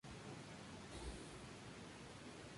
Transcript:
Conífera caducifolia.